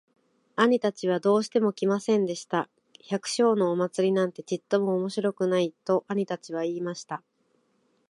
兄たちはどうしても来ませんでした。「百姓のお祭なんてちっとも面白くない。」と兄たちは言いました。